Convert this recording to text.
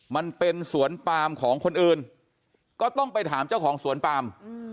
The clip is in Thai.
มันเป็นสวนปามของคนอื่นก็ต้องไปถามเจ้าของสวนปาม